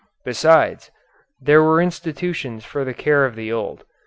Besides, there were institutions for the care of the old.